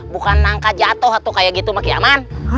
bukan nangka jatuh atau kayak gitu mek ya man